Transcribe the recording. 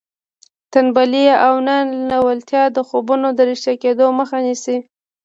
تنبلي او نه لېوالتیا د خوبونو د رښتیا کېدو مخه نیسي